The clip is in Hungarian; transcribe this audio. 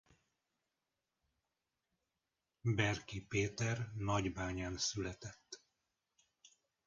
Berki Péter Nagybányán született.